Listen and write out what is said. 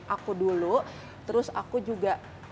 aku dulu terus aku juga